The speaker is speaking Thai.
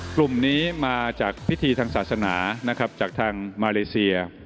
กลุ่มนี้มาจากพิธีทางศาสนานะครับจากทางมาเลเซีย